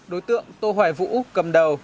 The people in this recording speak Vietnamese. đối tượng tô hoài vũ cầm đầu